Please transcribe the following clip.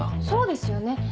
そうですよね